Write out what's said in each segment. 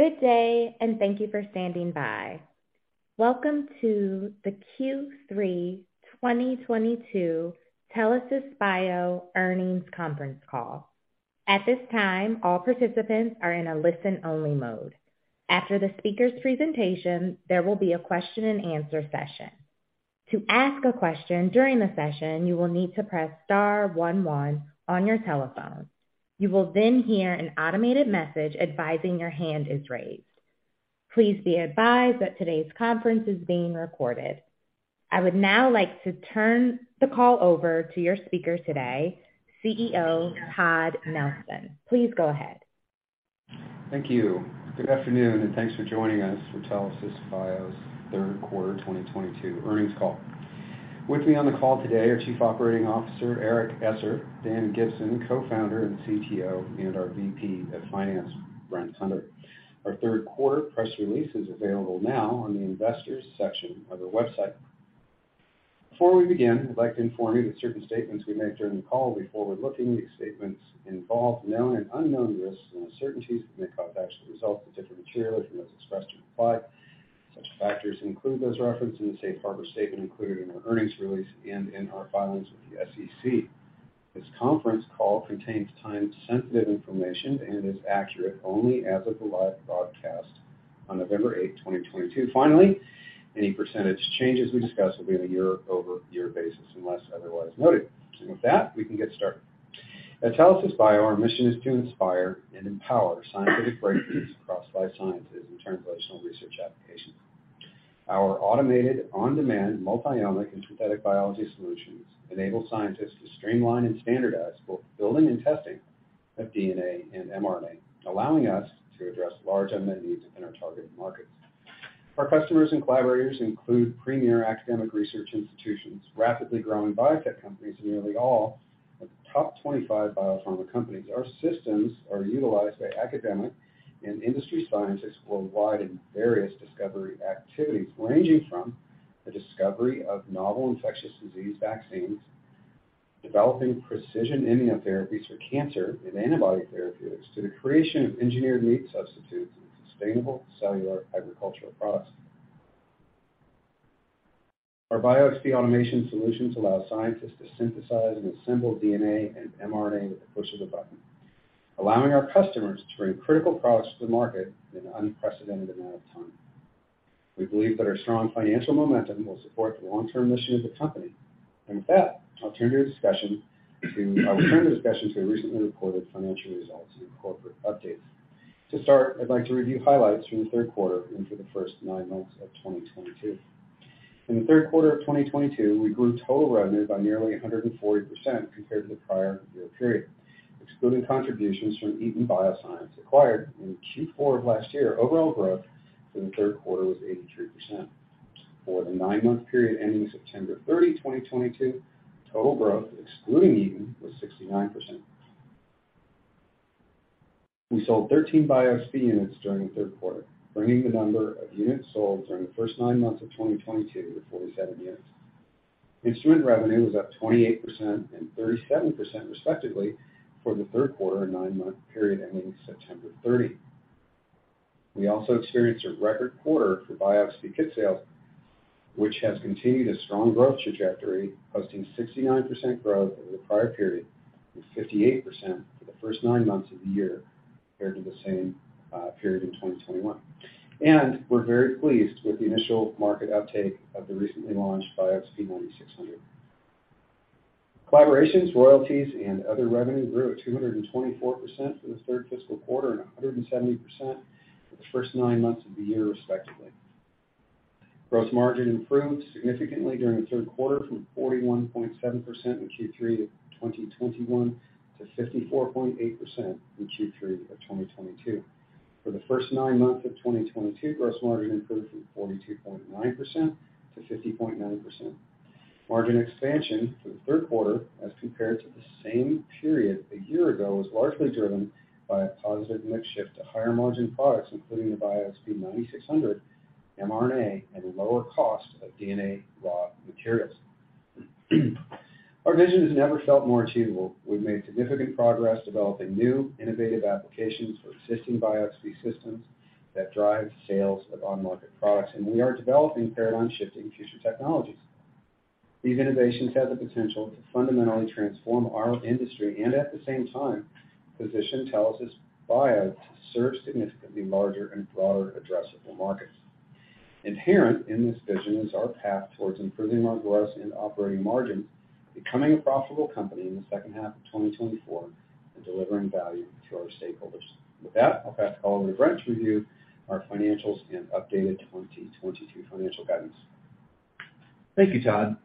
Good day, and thank you for standing by. Welcome to the Q3 2022 Telesis Bio Earnings Conference Call. At this time, all participants are in a listen-only mode. After the speaker's presentation, there will be a question-and-answer session. To ask a question during the session, you will need to press star one one on your telephone. You will then hear an automated message advising your hand is raised. Please be advised that today's conference is being recorded. I would now like to turn the call over to your speaker today, CEO Todd Nelson. Please go ahead. Thank you. Good afternoon, and thanks for joining us for Telesis Bio's third quarter 2022 earnings call. With me on the call today are Chief Operating Officer Eric Esser, Dan Gibson, Co-founder and CTO, and our VP of Finance, Brent Hunter. Our third quarter press release is available now on the investors section of our website. Before we begin, I'd like to inform you that certain statements we make during the call will be forward-looking. These statements involve known and unknown risks and uncertainties that may cause actual results to differ materially from those expressed or implied. Such factors include those referenced in the safe harbor statement included in our earnings release and in our filings with the SEC. This conference call contains time-sensitive information and is accurate only as of the live broadcast on November 8, 2022. Finally, any percentage changes we discuss will be on a year-over-year basis unless otherwise noted. With that, we can get started. At Telesis Bio, our mission is to inspire and empower scientific breakthroughs across life sciences and translational research applications. Our automated on-demand multi-omic and synthetic biology solutions enable scientists to streamline and standardize both building and testing of DNA and mRNA, allowing us to address large unmet needs in our targeted markets. Our customers and collaborators include premier academic research institutions, rapidly growing biotech companies, and nearly all of the top 25 biopharma companies. Our systems are utilized by academic and industry scientists worldwide in various discovery activities, ranging from the discovery of novel infectious disease vaccines, developing precision immunotherapies for cancer and antibody therapeutics, to the creation of engineered meat substitutes and sustainable cellular agricultural products. Our BioXp automation solutions allow scientists to synthesize and assemble DNA and mRNA with the push of a button, allowing our customers to bring critical products to the market in an unprecedented amount of time. We believe that our strong financial momentum will support the long-term mission of the company. With that, I will turn the discussion to our recently reported financial results and corporate updates. To start, I'd like to review highlights from the third quarter and for the first nine months of 2022. In the third quarter of 2022, we grew total revenue by nearly 140% compared to the prior year period. Excluding contributions from Eton Bioscience acquired in Q4 of last year, overall growth for the third quarter was 83%. For the nine-month period ending September 30, 2022, total growth excluding Eton was 69%. We sold 13 BioXp units during the third quarter, bringing the number of units sold during the first nine months of 2022 to 47 units. Instrument revenue was up 28% and 37% respectively for the third quarter and nine-month period ending September 30. We also experienced a record quarter for BioXp kit sales, which has continued a strong growth trajectory, posting 69% growth over the prior period and 58% for the first nine months of the year compared to the same period in 2021. We're very pleased with the initial market uptake of the recently launched BioXp 9600. Collaborations, royalties, and other revenue grew at 224% for the third fiscal quarter and 170% for the first nine months of the year respectively. Gross margin improved significantly during the third quarter from 41.7% in Q3 of 2021 to 54.8% in Q3 of 2022. For the first nine months of 2022, gross margin improved from 42.9% to 50.9%. Margin expansion for the third quarter as compared to the same period a year ago was largely driven by a positive mix shift to higher margin products, including the BioXp 9600 mRNA and the lower cost of DNA raw materials. Our vision has never felt more achievable. We've made significant progress developing new innovative applications for existing BioXp systems that drive sales of on-market products, and we are developing paradigm-shifting future technologies. These innovations have the potential to fundamentally transform our industry and at the same time position Telesis Bio to serve significantly larger and broader addressable markets. Inherent in this vision is our path towards improving our gross and operating margin, becoming a profitable company in the second half of 2024, and delivering value to our stakeholders. With that, I'll pass the call over to Brent to review our financials and updated 2022 financial guidance. Thank you, Todd.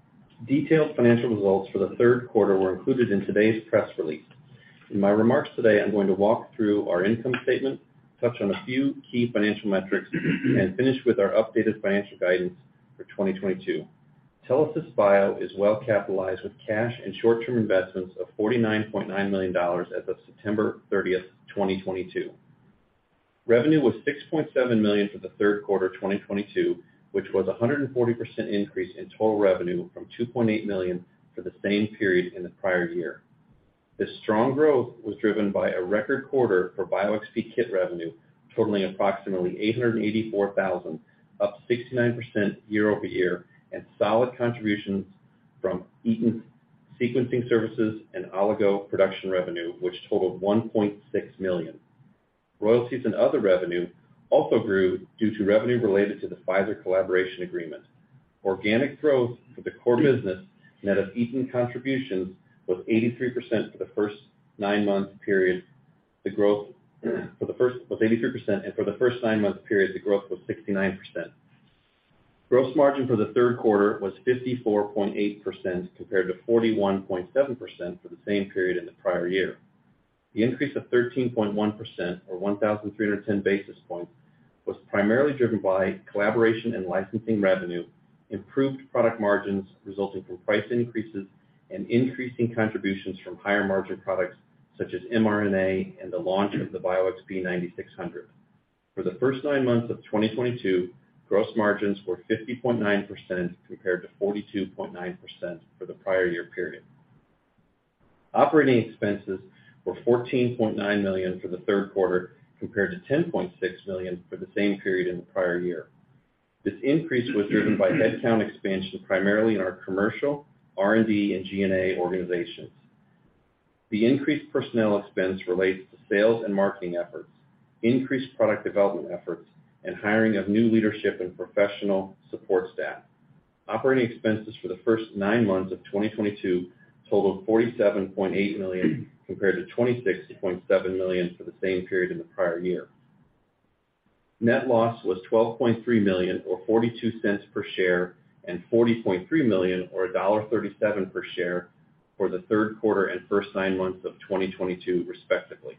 Detailed financial results for the third quarter were included in today's press release. In my remarks today, I'm going to walk through our income statement, touch on a few key financial metrics, and finish with our updated financial guidance for 2022. Telesis Bio is well capitalized with cash and short-term investments of $49.9 million as of September 30th, 2022. Revenue was $6.7 million for the third quarter of 2022, which was a 140% increase in total revenue from $2.8 million for the same period in the prior year. This strong growth was driven by a record quarter for BioXp kit revenue totaling approximately $884,000, up 69% year-over-year, and solid contributions from Eton sequencing services and oligo production revenue, which totaled $1.6 million. Royalties and other revenue also grew due to revenue related to the Pfizer collaboration agreement. Organic growth for the core business net of Eton contributions was 83% for the first nine-month period. The growth for the first was 83%, and for the first nine-month period, the growth was 69%. Gross margin for the third quarter was 54.8% compared to 41.7% for the same period in the prior year. The increase of 13.1 or 1,310 basis points was primarily driven by collaboration and licensing revenue, improved product margins resulting from price increases, and increasing contributions from higher margin products such as mRNA and the launch of the BioXp 9600. For the first nine months of 2022, gross margins were 50.9% compared to 42.9% for the prior year period. Operating expenses were $14.9 million for the third quarter compared to $10.6 million for the same period in the prior year. This increase was driven by headcount expansion primarily in our commercial, R&D, and G&A organizations. The increased personnel expense relates to sales and marketing efforts, increased product development efforts, and hiring of new leadership and professional support staff. Operating expenses for the first nine months of 2022 totaled $47.8 million compared to $26.7 million for the same period in the prior year. Net loss was $12.3 million or $0.42 per share, and $40.3 million or $1.37 per share for the third quarter and first nine months of 2022, respectively.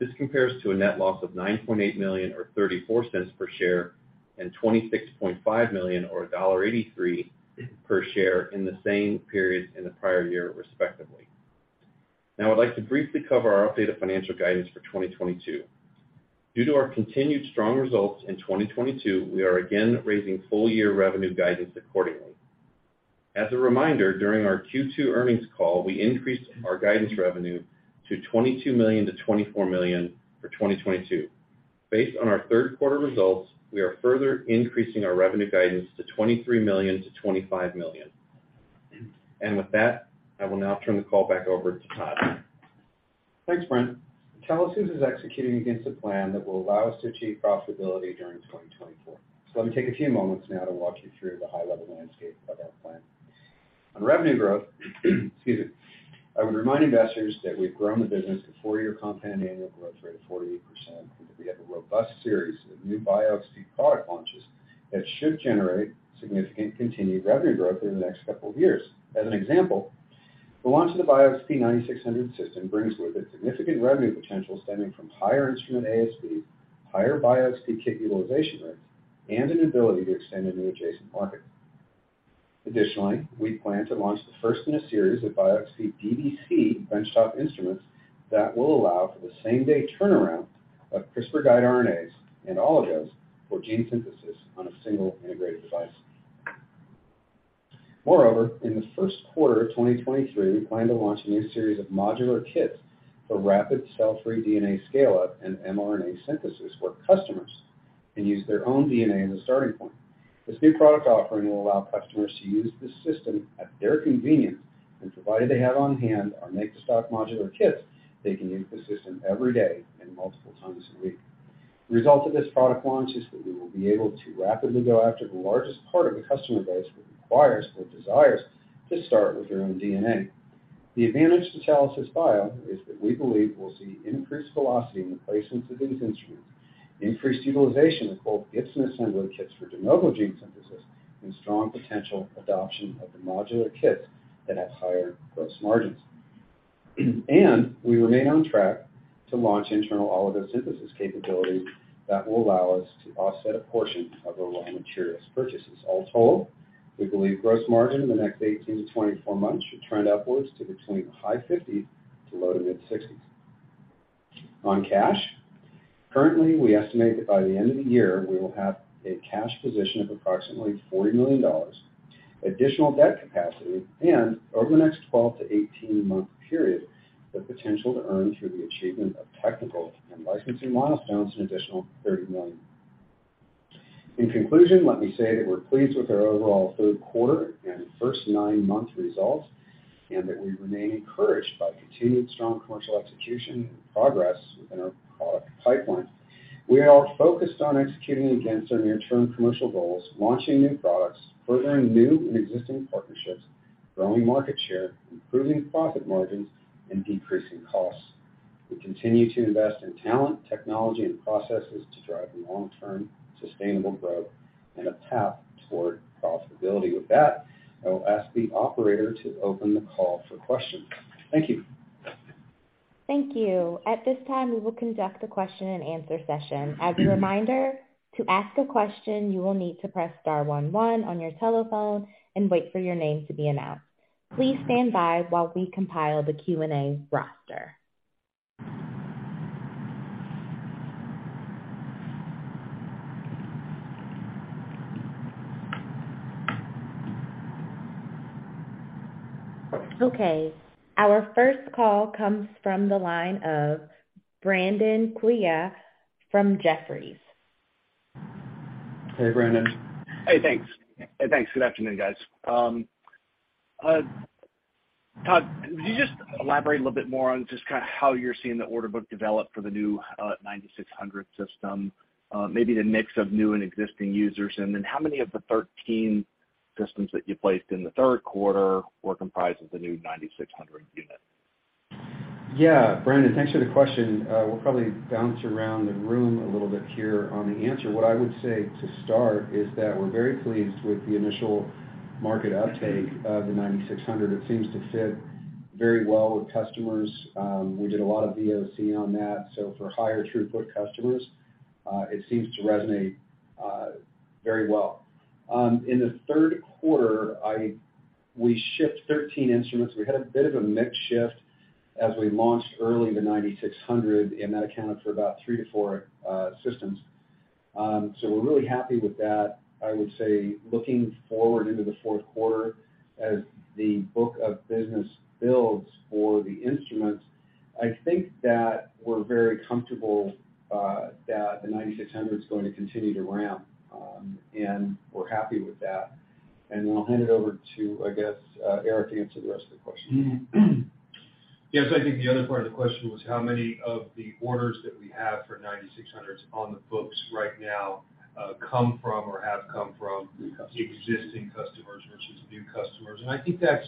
This compares to a net loss of $9.8 million or $0.34 per share, and $26.5 million or $1.83 per share in the same periods in the prior year, respectively. Now I'd like to briefly cover our updated financial guidance for 2022. Due to our continued strong results in 2022, we are again raising full-year revenue guidance accordingly. As a reminder, during our Q2 earnings call, we increased our guidance revenue to $22 million-$24 million for 2022. Based on our third quarter results, we are further increasing our revenue guidance to $23 million-$25 million. With that, I will now turn the call back over to Todd. Thanks, Brent. Telesis is executing against a plan that will allow us to achieve profitability during 2024. Let me take a few moments now to walk you through the high-level landscape of our plan. On revenue growth, excuse me, I would remind investors that we've grown the business to 4-year compound annual growth rate of 48%, and that we have a robust series of new BioXp product launches that should generate significant continued revenue growth in the next couple of years. As an example, the launch of the BioXp 9600 system brings with it significant revenue potential stemming from higher instrument ASP, higher BioXp kit utilization rates, and an ability to extend into adjacent markets. Additionally, we plan to launch the first in a series of BioXp DBC bench-top instruments that will allow for the same-day turnaround of CRISPR guide RNAs and oligos for gene synthesis on a single integrated device. Moreover, in the first quarter of 2023, we plan to launch a new series of modular kits for rapid cell-free DNA scale-up and mRNA synthesis, where customers can use their own DNA as a starting point. This new product offering will allow customers to use this system at their convenience, and provided they have on-hand our make-to-stock modular kits, they can use the system every day and multiple times a week. The result of this product launch is that we will be able to rapidly go after the largest part of the customer base that requires or desires to start with their own DNA. The advantage to Telesis Bio is that we believe we'll see increased velocity in the placements of these instruments, increased utilization of both kits and assembler kits for de novo gene synthesis, and strong potential adoption of the modular kits that have higher gross margins. We remain on track to launch internal oligo synthesis capability that will allow us to offset a portion of our raw materials purchases. All told, we believe gross margin in the next 18-24 months should trend upwards to between the high 50s to low-to-mid 60s%. On cash, currently, we estimate that by the end of the year, we will have a cash position of approximately $40 million, additional debt capacity, and over the next 12-18-month period, the potential to earn through the achievement of technical and licensing milestones an additional $30 million. In conclusion, let me say that we're pleased with our overall third quarter and first nine-month results, and that we remain encouraged by continued strong commercial execution and progress within our product pipeline. We are focused on executing against our near-term commercial goals, launching new products, furthering new and existing partnerships, growing market share, improving profit margins, and decreasing costs. We continue to invest in talent, technology, and processes to drive long-term sustainable growth and a path toward profitability. With that, I will ask the operator to open the call for questions. Thank you. Thank you. At this time, we will conduct a question-and-answer session. As a reminder, to ask a question, you will need to press star one one on your telephone and wait for your name to be announced. Please stand by while we compile the Q&A roster. Okay. Our first call comes from the line of Brandon Couillard from Jefferies. Hey, Brandon. Hey, thanks. Good afternoon, guys. Todd, could you just elaborate a little bit more on just kinda how you're seeing the order book develop for the new 9600 system, maybe the mix of new and existing users? Then how many of the 13 systems that you placed in the third quarter were comprised of the new 9600 unit? Yeah. Brandon, thanks for the question. We'll probably bounce around the room a little bit here on the answer. What I would say to start is that we're very pleased with the initial market uptake of the 9600. It seems to fit very well with customers. We did a lot of VOC on that, so for higher throughput customers, it seems to resonate very well. In the third quarter, we shipped 13 instruments. We had a bit of a mix shift as we launched early the 9600, and that accounted for about 3-4 systems. We're really happy with that. I would say looking forward into the fourth quarter as the book of business builds for the instruments, I think that we're very comfortable that the 9600 is going to continue to ramp, and we're happy with that. I'll hand it over to, I guess, Eric to answer the rest of the question. Yes. I think the other part of the question was how many of the orders that we have for 9600s on the books right now come from or have come from existing customers versus new customers. I think that's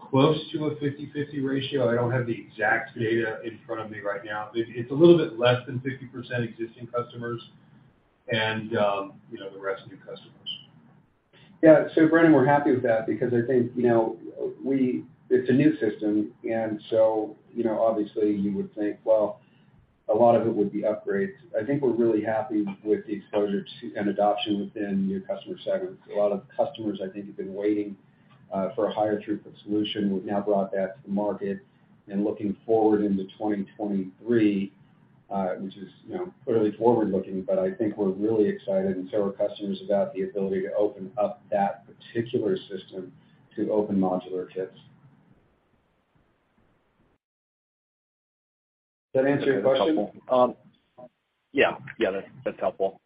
close to a 50/50 ratio. I don't have the exact data in front of me right now. It's a little bit less than 50% existing customers and, you know, the rest new customers. Yeah. Brandon, we're happy with that because I think, you know, it's a new system and so, you know, obviously you would think, well, a lot of it would be upgrades. I think we're really happy with the exposure to and adoption within new customer segments. A lot of customers, I think, have been waiting for a higher throughput solution. We've now brought that to the market. Looking forward into 2023, which is, you know, clearly forward looking, but I think we're really excited and so are customers about the ability to open up that particular system to open modular kits. Did that answer your question? That's helpful.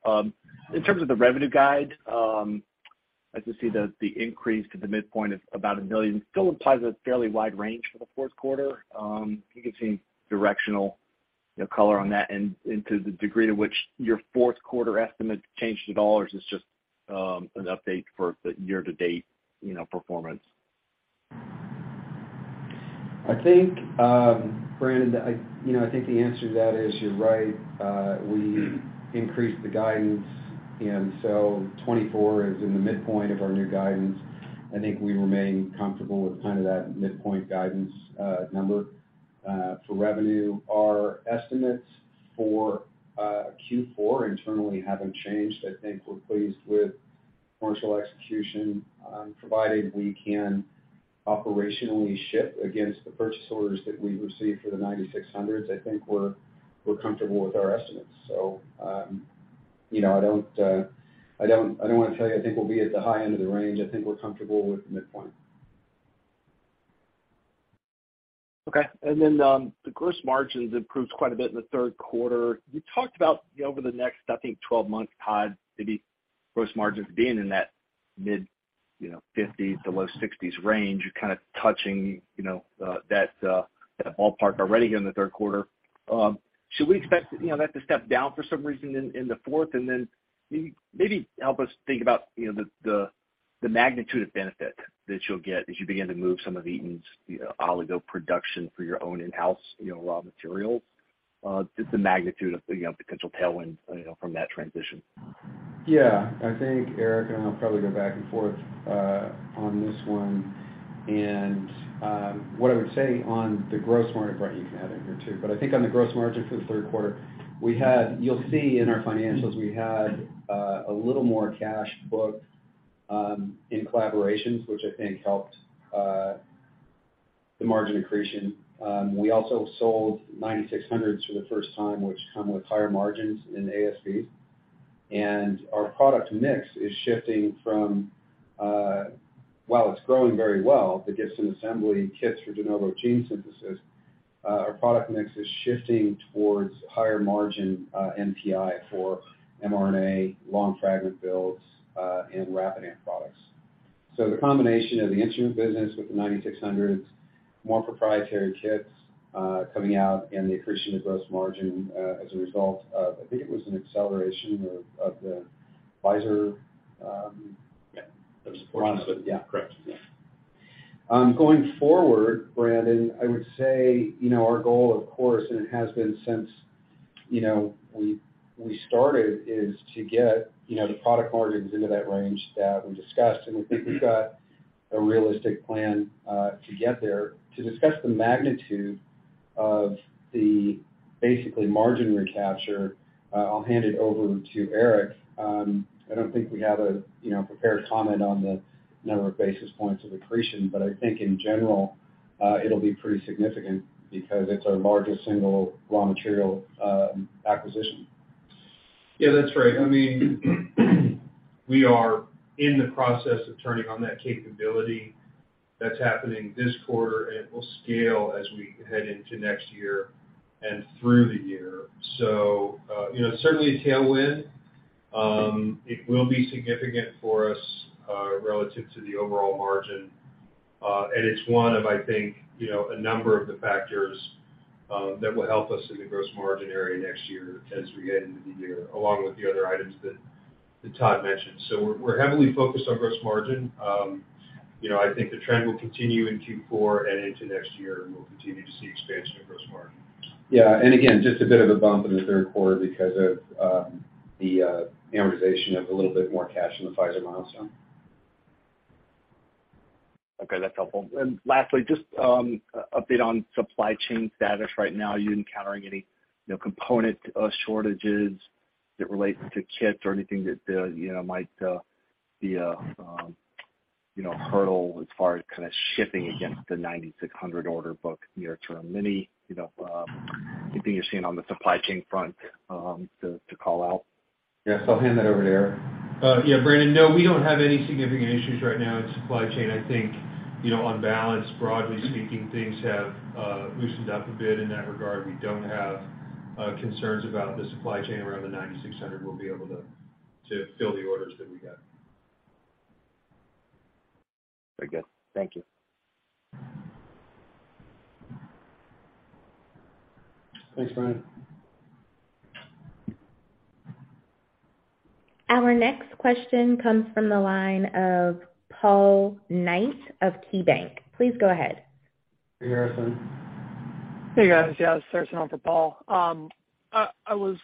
In terms of the revenue guide, I just see the increase to the midpoint is about $1 million. Still implies a fairly wide range for the fourth quarter. If you could see directional, you know, color on that and into the degree to which your fourth quarter estimate changed to dollars is just an update for the year-to-date, you know, performance. I think, Brandon, you know, I think the answer to that is you're right. We increased the guidance. 2024 is in the midpoint of our new guidance. I think we remain comfortable with kind of that midpoint guidance number for revenue. Our estimates for Q4 internally haven't changed. I think we're pleased with commercial execution, provided we can operationally ship against the purchase orders that we've received for the 9600s. I think we're comfortable with our estimates. You know, I don't wanna tell you I think we'll be at the high end of the range. I think we're comfortable with the midpoint. Okay. The gross margins improved quite a bit in the third quarter. You talked about, you know, over the next, I think, 12-month, Todd, maybe gross margins being in that mid-50s% to low-60s% range. You're kind of touching, you know, that ballpark already here in the third quarter. Should we expect, you know, that to step down for some reason in the fourth? Maybe help us think about, you know, the magnitude of benefit that you'll get as you begin to move some of Eton's, you know, oligo production for your own in-house, you know, raw materials, just the magnitude of the, you know, potential tailwind, you know, from that transition. Yeah. I think Eric and I will probably go back and forth on this one. What I would say on the gross margin. Brandon, you can add in here too. I think on the gross margin for the third quarter, we had. You'll see in our financials, we had a little more cash booked in collaborations, which I think helped the margin accretion. We also sold 9600s for the first time, which come with higher margins in ASP. Our product mix is shifting from while it's growing very well, the kits and assembly kits for de novo gene synthesis. Our product mix is shifting towards higher margin NPI for mRNA, long fragment builds, and RapidAMP products. The combination of the instrument business with the 9600s, more proprietary kits coming out and the accretion of gross margin as a result of, I think it was an acceleration of the Pfizer. Yeah. The support. Yeah. Correct. Yeah. Going forward, Brandon, I would say, you know, our goal, of course, and it has been since, you know, we started, is to get, you know, the product margins into that range that we discussed, and we think we've got a realistic plan to get there. To discuss the magnitude of the basically margin recapture, I'll hand it over to Eric. I don't think we have a, you know, prepared comment on the number of basis points of accretion, but I think in general, it'll be pretty significant because it's our largest single raw material acquisition. Yeah, that's right. I mean, we are in the process of turning on that capability that's happening this quarter, and it will scale as we head into next year and through the year. You know, certainly a tailwind. It will be significant for us relative to the overall margin. It's one of, I think, you know, a number of the factors that will help us in the gross margin area next year as we get into the year, along with the other items that Todd mentioned. We're heavily focused on gross margin. You know, I think the trend will continue in Q4 and into next year, and we'll continue to see expansion in gross margin. Yeah. Again, just a bit of a bump in the third quarter because of the amortization of a little bit more cash in the Pfizer milestone. Okay, that's helpful. Lastly, just a update on supply chain status right now. Are you encountering any you know component shortages that relate to kits or anything that you know might be a you know hurdle as far as kinda shipping against the 9600 order book near term? Any you know anything you're seeing on the supply chain front to call out? Yes. I'll hand that over to Eric. Yeah, Brandon, no, we don't have any significant issues right now in supply chain. I think, you know, on balance, broadly speaking, things have loosened up a bit in that regard. We don't have concerns about the supply chain around the 9600. We'll be able to to fill the orders that we got. Very good. Thank you. Thanks, Brandon. Our next question comes from the line of Paul Knight of KeyBanc. Please go ahead. Hey, Harrison. Hey, guys. Yeah, it's Harrison on for Paul. I was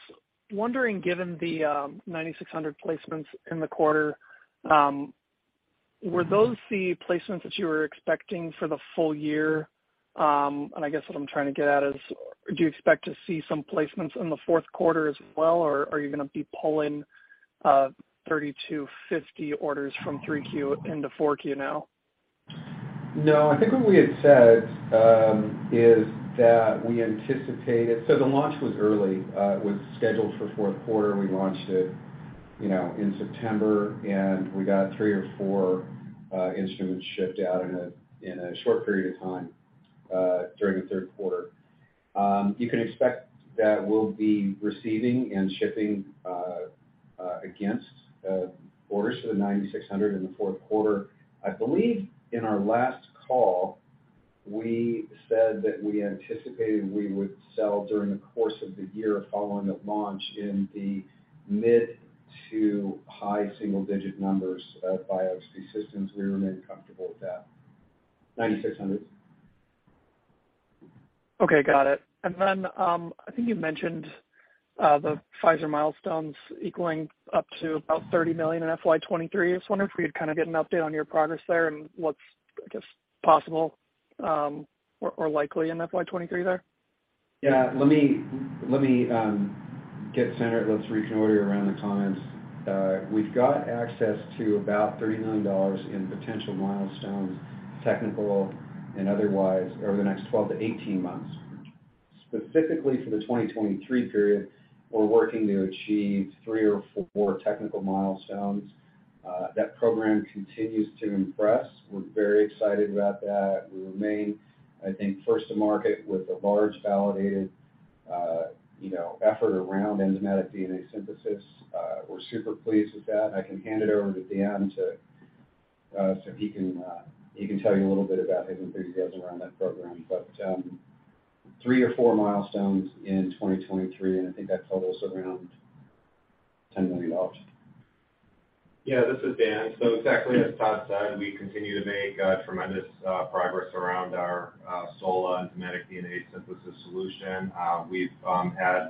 wondering, given the 9600 placements in the quarter, were those the placements that you were expecting for the full year? I guess what I'm trying to get at is, do you expect to see some placements in the fourth quarter as well, or are you gonna be pulling 30-50 orders from 3Q into 4Q now? No, I think what we had said is that we anticipated. The launch was early, it was scheduled for fourth quarter. We launched it, you know, in September, and we got 3 or 4 instruments shipped out in a short period of time during the third quarter. You can expect that we'll be receiving and shipping against orders for the 9600 in the fourth quarter. I believe in our last call, we said that we anticipated we would sell during the course of the year following the launch in the mid- to high single-digit numbers of BioXp systems. We remain comfortable with that. 9600s. Okay, got it. I think you mentioned the Pfizer milestones equaling up to about $30 million in FY 2023. I was wondering if we could kinda get an update on your progress there and what's, I guess, possible or likely in FY 2023 there. Yeah. Let me get centered. Let's get our comments in order. We've got access to about $30 million in potential milestones, technical and otherwise, over the next 12-18 months. Specifically for the 2023 period, we're working to achieve three or four technical milestones. That program continues to impress. We're very excited about that. We remain, I think, first to market with a large validated effort around enzymatic DNA synthesis. We're super pleased with that. I can hand it over to Dan so he can tell you a little bit about his endeavors around that program. Three or four milestones in 2023, and I think that totals around $10 million. Yeah, this is Dan. Exactly as Todd said, we continue to make tremendous progress around our SOLA enzymatic DNA synthesis solution. We've had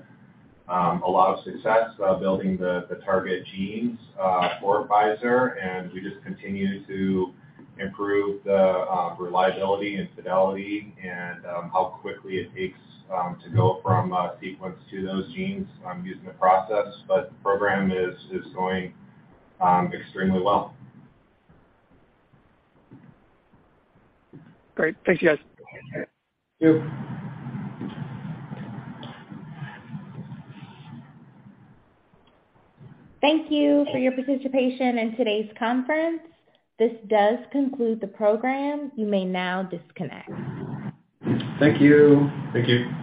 a lot of success building the target genes for Pfizer, and we just continue to improve the reliability and fidelity and how quickly it takes to go from a sequence to those genes using the process. The program is going extremely well. Great. Thanks, you guys. Thank you. Thank you for your participation in today's conference. This does conclude the program. You may now disconnect. Thank you. Thank you.